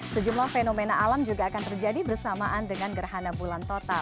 sejumlah fenomena alam juga akan terjadi bersamaan dengan gerhana bulan total